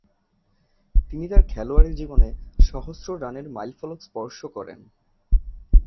তিনি তার খেলোয়াড়ী জীবনে সহস্র রানের মাইলফলক স্পর্শ করেন।